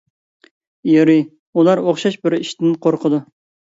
ئېرى: ئۇلار ئوخشاش بىر ئىشتىن قورقىدۇ.